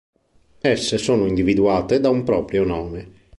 Esse sono individuate da un proprio nome.